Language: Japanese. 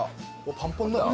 パンパンだ。